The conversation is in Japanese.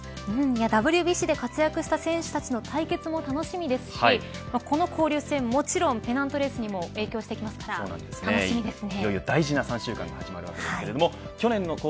ＷＢＣで活躍した選手たちの対決も楽しみですしこの交流戦もちろんペナントレースにも影響してきますから楽しみですね。